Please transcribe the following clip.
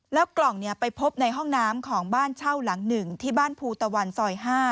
แล้วกล่องเนี้ยไปพบในห้องน้ำของบ้านเช่าหลังหนึ่งที่บ้านภูตวรรณซอยห้า